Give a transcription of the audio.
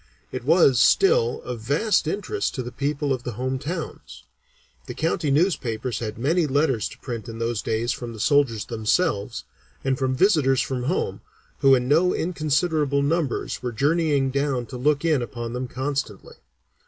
It was, still, of vast interest to the people of the home towns. The county newspapers had many letters to print in those days from the soldiers themselves, and from visitors from home, who in no inconsiderable numbers were journeying down to look in upon them constantly.